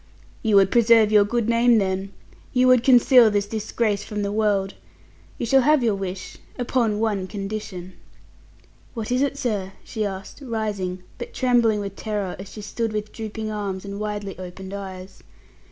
"You would preserve your good name then. You would conceal this disgrace from the world. You shall have your wish upon one condition." "What is it, sir?" she asked, rising, but trembling with terror, as she stood with drooping arms and widely opened eyes.